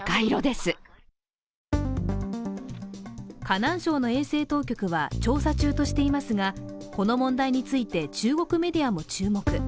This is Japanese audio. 河南省の衛生当局は調査中としていますが、この問題について中国メディアも注目。